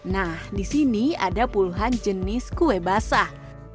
nah di sini ada puluhan jenis kue basah